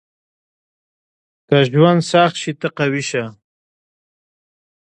• که ژوند سخت شي، ته قوي شه.